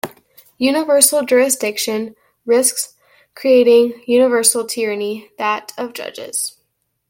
Universal jurisdiction risks creating universal tyranny-that of judges.